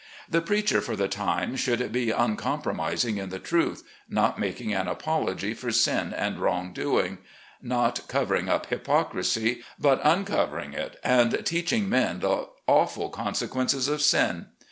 The preacher for the time, should be uncompromising in the truth, not making an apology for sin and wrong doing, not cov ering up hypocrisy, but uncovering it, and teaching men the awful consequences of sin.